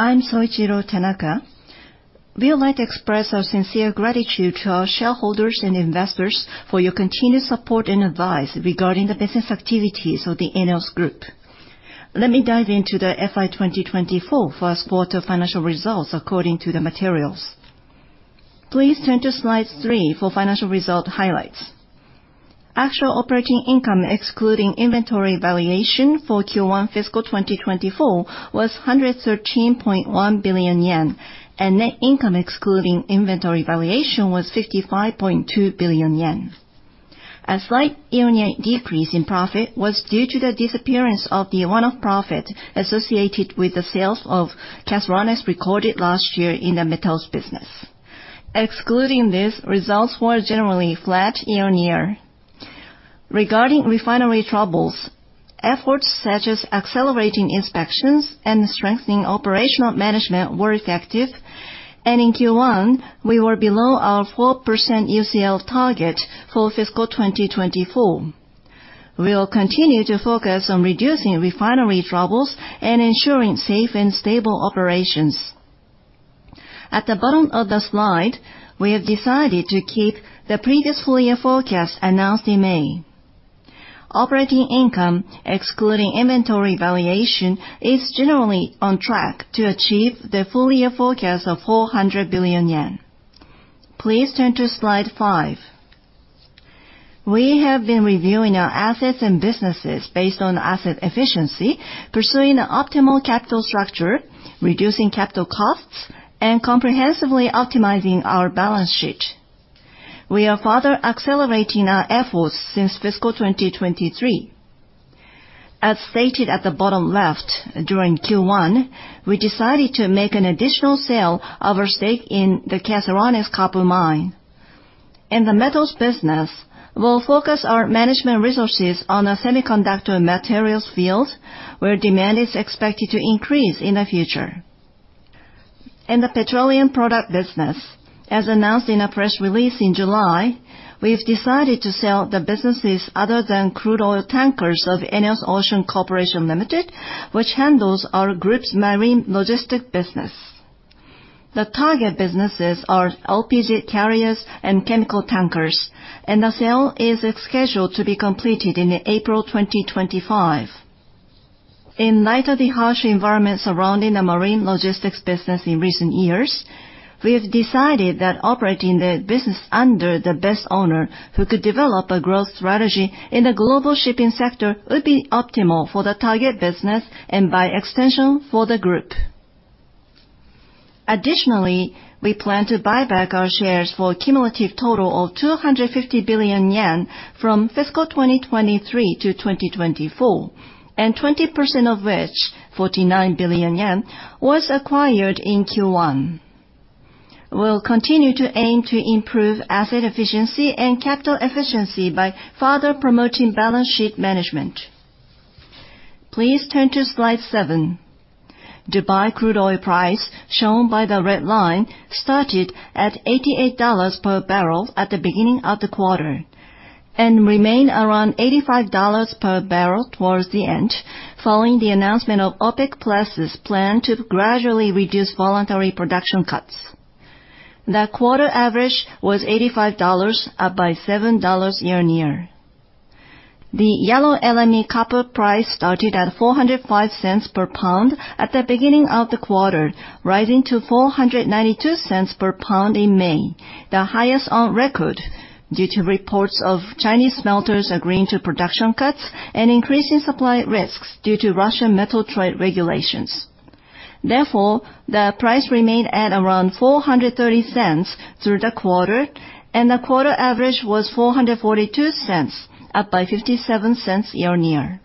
I'm Soichiro Tanaka. We would like to express our sincere gratitude to our shareholders and investors for your continued support and advice regarding the business activities of the ENEOS Group. Let me dive into the FY 2024 first quarter financial results according to the materials. Please turn to slide three for financial result highlights. Actual operating income, excluding inventory valuation for Q1 fiscal 2024, was 113.1 billion yen, and net income, excluding inventory valuation was 55.2 billion yen. A slight year-on-year decrease in profit was due to the disappearance of the one-off profit associated with the sales of Caserones recorded last year in the metals business. Excluding this, results were generally flat year-on-year. Regarding refinery troubles, efforts such as accelerating inspections and strengthening operational management were effective, and in Q1, we were below our 4% UCL target for fiscal 2024. We'll continue to focus on reducing refinery troubles and ensuring safe and stable operations. At the bottom of the slide, we have decided to keep the previous full-year forecast announced in May. Operating income, excluding inventory valuation, is generally on track to achieve the full-year forecast of 400 billion yen. Please turn to slide five. We have been reviewing our assets and businesses based on asset efficiency, pursuing the optimal capital structure, reducing capital costs, and comprehensively optimizing our balance sheet. We are further accelerating our efforts since fiscal 2023. As stated at the bottom left, during Q1, we decided to make an additional sale of our stake in the Caserones copper mine. In the metals business, we'll focus our management resources on a semiconductor materials field where demand is expected to increase in the future. In the petroleum product business, as announced in a press release in July, we've decided to sell the businesses other than crude oil tankers of ENEOS Ocean Corporation Limited, which handles our group's marine logistics business. The target businesses are LPG carriers and chemical tankers, and the sale is scheduled to be completed in April 2025. In light of the harsh environment surrounding the marine logistics business in recent years, we have decided that operating the business under the best owner, who could develop a growth strategy in the global shipping sector, would be optimal for the target business, and by extension, for the group. Additionally, we plan to buy back our shares for a cumulative total of 250 billion yen from fiscal 2023 to 2024, and 20% of which, 49 billion yen, was acquired in Q1. We'll continue to aim to improve asset efficiency and capital efficiency by further promoting balance sheet management. Please turn to slide seven. Dubai crude oil price, shown by the red line, started at $88 per barrel at the beginning of the quarter and remained around $85 per barrel towards the end, following the announcement of OPEC+'s plan to gradually reduce voluntary production cuts. The quarter average was $85, up by $7 year-on-year. The yellow LME copper price started at $405 per pound at the beginning of the quarter, rising to $492 per pound in May, the highest on record due to reports of Chinese smelters agreeing to production cuts and increasing supply risks due to Russian metal trade regulations. Therefore, the price remained at around $430 through the quarter, and the quarter average was $442, up by $57 year-on-year.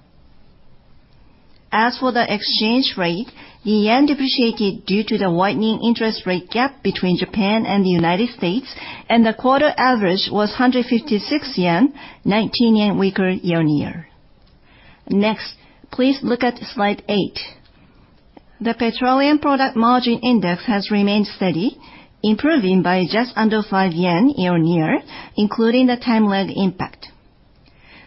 As for the exchange rate, the yen depreciated due to the widening interest rate gap between Japan and the U.S., the quarter average was 156 yen, 19 yen weaker year-on-year. Next, please look at slide eight. The petroleum product margin index has remained steady, improving by just under 5 yen year-on-year, including the time lag impact.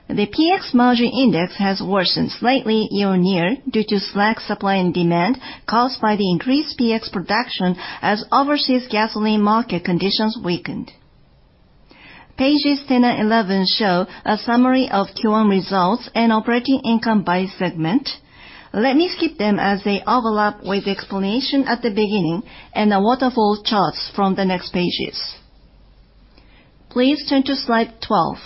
The PX margin index has worsened slightly year-on-year due to slack supply and demand caused by the increased PX production as overseas gasoline market conditions weakened. Pages 10 and 11 show a summary of Q1 results and operating income by segment. Let me skip them as they overlap with the explanation at the beginning and the waterfall charts from the next pages. Please turn to slide 12.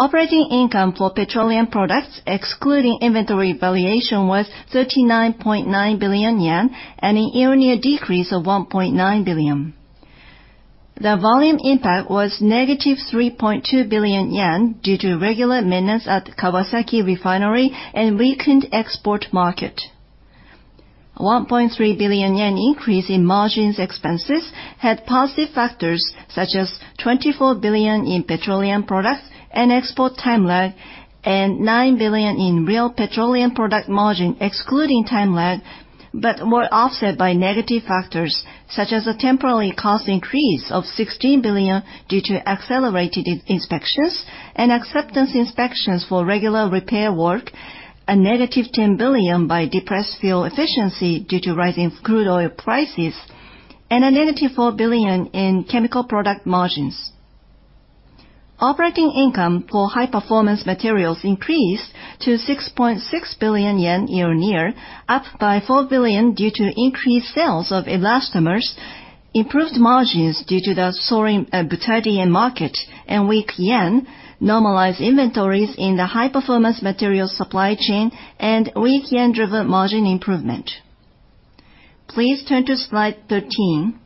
Operating income for petroleum products, excluding inventory valuation, was 39.9 billion yen, and a year-on-year decrease of 1.9 billion. The volume impact was negative 3.2 billion yen due to regular maintenance at Kawasaki Refinery and weakened export market. 1.3 billion yen increase in margins expenses had positive factors such as 24 billion in petroleum products and export time lag, and 9 billion in real petroleum product margin excluding time lag, but were offset by negative factors such as a temporary cost increase of 16 billion due to accelerated inspections and acceptance inspections for regular repair work. A negative 10 billion by depressed fuel efficiency due to rising crude oil prices, and a negative 4 billion in chemical product margins. Operating income for high-performance materials increased to 6.6 billion yen year-on-year, up by 4 billion due to increased sales of elastomers, improved margins due to the soaring butadiene market, and weak yen, normalized inventories in the high-performance materials supply chain, and weak yen-driven margin improvement. Please turn to slide 13.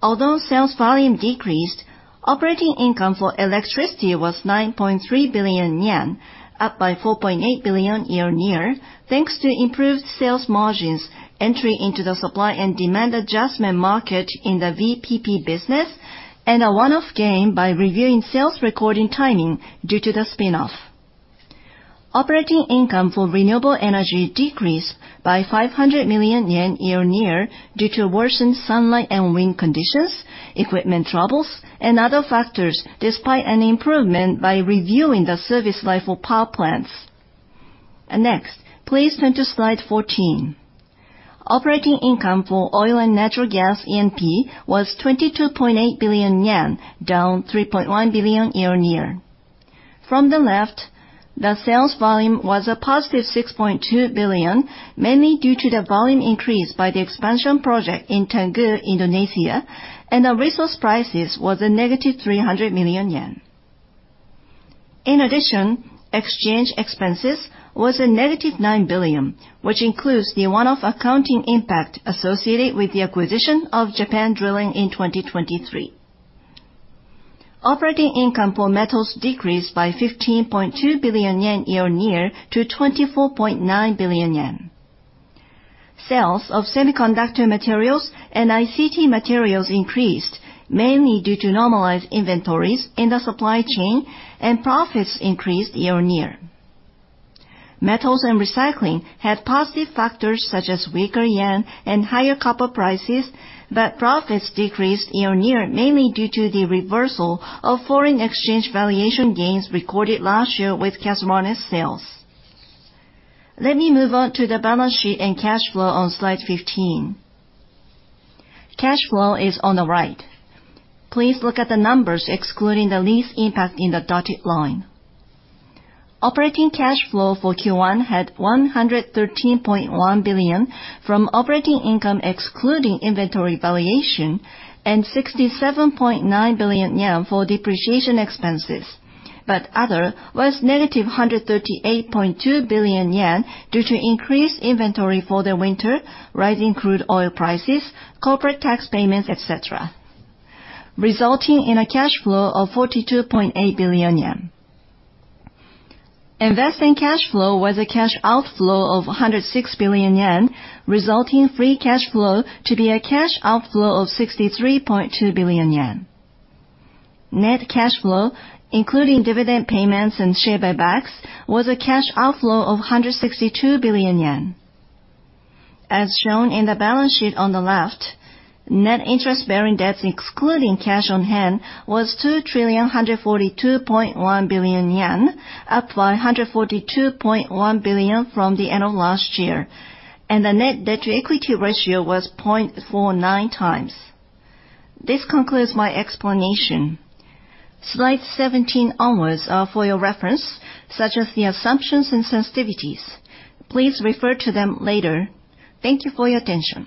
Although sales volume decreased, operating income for electricity was 9.3 billion yen, up by 4.8 billion year-on-year, thanks to improved sales margins, entry into the supply and demand adjustment market in the VPP business, and a one-off gain by reviewing sales recording timing due to the spin-off. Operating income for renewable energy decreased by 500 million yen year-on-year due to worsened sunlight and wind conditions, equipment troubles, and other factors, despite an improvement by reviewing the service life for power plants. Next, please turn to slide 14. Operating income for oil and natural gas E&P was 22.8 billion yen, down 3.1 billion year-on-year. From the left, the sales volume was a positive 6.2 billion, mainly due to the volume increase by the expansion project in Tangguh, Indonesia, and the resource prices was a negative 300 million yen. In addition, exchange expenses was a negative 9 billion, which includes the one-off accounting impact associated with the acquisition of Japan Drilling in 2023. Operating income for metals decreased by 15.2 billion yen year-on-year to 24.9 billion yen. Sales of semiconductor materials and ICT materials increased, mainly due to normalized inventories in the supply chain, and profits increased year-on-year. Metals and recycling had positive factors such as weaker yen and higher copper prices, but profits decreased year-on-year, mainly due to the reversal of foreign exchange valuation gains recorded last year with Caserones sales. Let me move on to the balance sheet and cash flow on slide 15. Cash flow is on the right. Please look at the numbers excluding the lease impact in the dotted line. Operating cash flow for Q1 had 113.1 billion from operating income excluding inventory valuation, and 67.9 billion yen for depreciation expenses. Other, was negative 138.2 billion yen due to increased inventory for the winter, rising crude oil prices, corporate tax payments, et cetera, resulting in a cash flow of 42.8 billion yen. Investing cash flow was a cash outflow of 106 billion yen, resulting free cash flow to be a cash outflow of 63.2 billion yen. Net cash flow, including dividend payments and share buybacks, was a cash outflow of 162 billion yen. As shown in the balance sheet on the left, net interest-bearing debts excluding cash on hand was 2.142 trillion yen, up 142.1 billion from the end of last year, and the net debt to equity ratio was 0.49 times. This concludes my explanation. Slides 17 onwards are for your reference, such as the assumptions and sensitivities. Please refer to them later. Thank you for your attention.